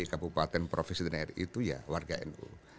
kabupaten provinsi dan rri itu ya warga nu